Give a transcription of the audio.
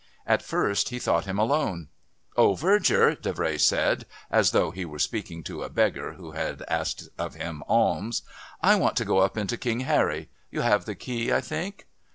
At first he thought him alone. "Oh, Verger," Davray said, as though he were speaking to a beggar who had asked of him alms. "I want to go up into King Harry. You have the key, I think."